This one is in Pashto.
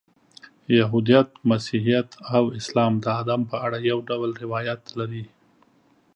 یهودیت، مسیحیت او اسلام د آدم په اړه یو ډول روایات لري.